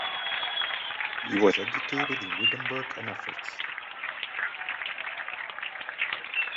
He was educated in Wittenberg and Erfurt.